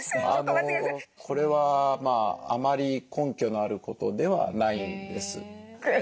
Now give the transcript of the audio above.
これはあまり根拠のあることではないんです。